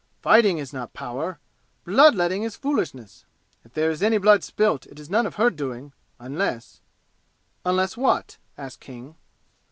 Fighting is not power! Blood letting is foolishness. If there is any blood spilt it is none of her doing unless " "Unless what?" asked King.